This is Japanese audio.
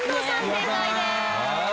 正解です。